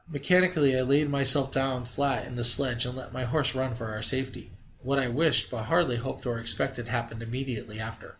Mechanically I laid myself down flat in the sledge, and let my horse run for our safety. What I wished, but hardly hoped or expected, happened immediately after.